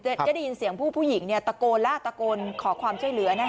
ได้ยินเสียงผู้หญิงตะโกนแล้วตะโกนขอความช่วยเหลือ